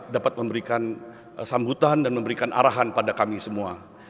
dapat memberikan sambutan dan memberikan arahan pada kami semua